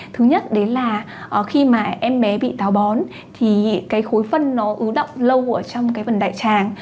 thứ nhất đấy là khi mà em bé bị tháo bón thì cái khối phân nó ứ động lâu ở trong cái phần đại tràng